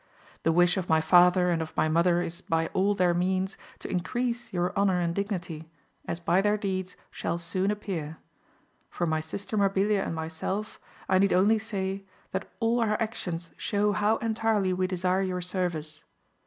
The wish of my father and of my mother is by all their means, to increase your honour and dignity, as by their deeds shall soon appear : for my sister Mabilia and myself I need only say, that all our actions show how entirely we desire your service.